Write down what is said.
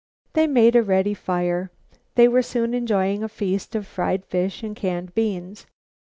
These made a ready fire. They were soon enjoying a feast of fried fish and canned baked beans.